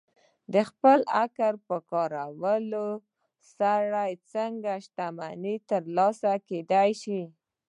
د خپل عقل په کارولو سره څنګه شتمني ترلاسه کېدای شي؟